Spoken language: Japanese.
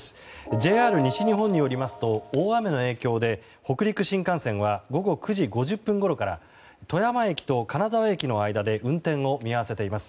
ＪＲ西日本によりますと大雨の影響で北陸新幹線は午後９時５０分ごろから富山駅と金沢駅の間で運転を見合わせています。